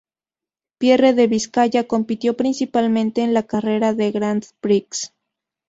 Pierre de Vizcaya compitió principalmente en la carrera de Grand Prix.